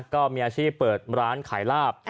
ก็มีอาชีพเปิดร้านขายลาบ